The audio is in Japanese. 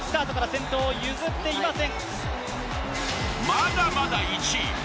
まだまだ１位。